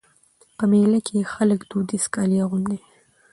په مېله کښي خلک دودیز کالي اغوندي.